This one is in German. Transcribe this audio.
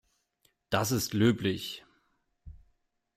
Das ist löblich.